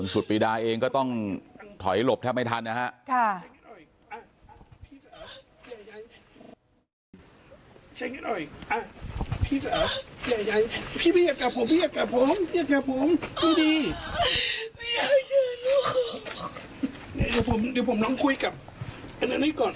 สุดปีดาเองก็ต้องถอยหลบแทบไม่ทันนะฮะ